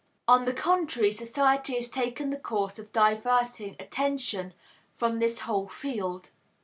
On the contrary, society has taken the course of diverting attention from this whole field.